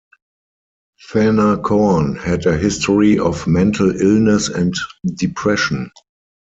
Thanakorn had a history of mental illness and depression.